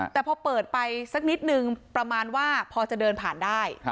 แต่พอเปิดไปสักนิดนึงประมาณว่าพอจะเดินผ่านได้